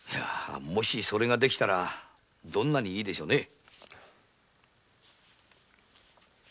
もしそれができたらどんなにいいでしょうね。